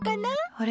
あれ？